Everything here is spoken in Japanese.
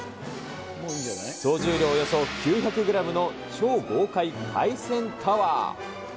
総重量およそ９００グラムの超豪快海鮮タワー。